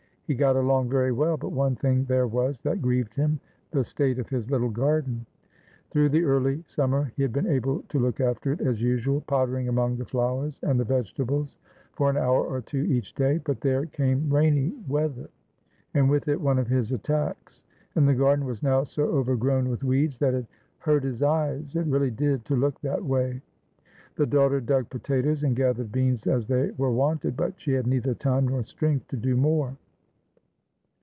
He got along very well, but one thing there was that grieved him, the state of his little garden. Through the early summer he had been able to look after it as usual, pottering among the flowers and the vegetables for an hour or two each day; but there came rainy weather, and with it one of his attacks, and the garden was now so overgrown with weeds that it "hurt his eyes," it really did, to look that way. The daughter dug potatoes and gathered beans as they were wanted, but she had neither time nor strength to do more.